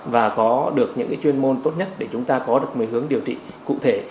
và có được những chuyên môn tốt nhất để chúng ta có được mối hướng điều trị cụ thể